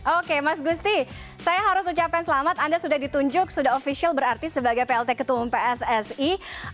oke mas gusti saya harus ucapkan selamat anda sudah ditunjuk sudah ofisial berarti sebagai plt ketua umum pssi